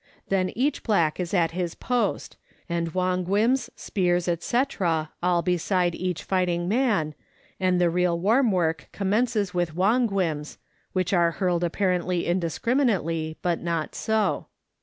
Then each black is at his post, and won guims, spears, &c., all beside each fighting man, and the real warm work commences with wonguims, which are hurled apparently indiscriminately, but not so.